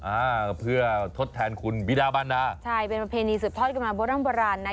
อ่าเพื่อทดแทนคุณบิดาบันนะใช่เป็นประเพณีสุดพอดกรรมบรรพรรณนะ